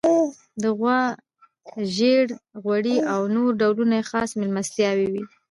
د غوا ژړ غوړي او نور ډولونه یې خاص میلمستیاوې وې.